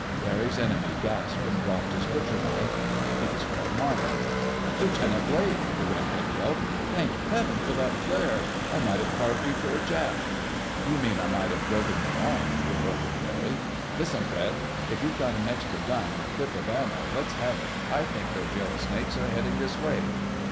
Barry's enemy gasped and dropped his butcher knife. He was Fred Marmon. "Lieutenant Blake!" the redhead yelped. "Thank Heaven for that flare—I might have carved you for a Jap." "You mean I might have broken your arm!" retorted Barry. "Listen, Fred—if you've got an extra gun or a clip of ammo, let's have it. I think those yellow snakes are heading this way."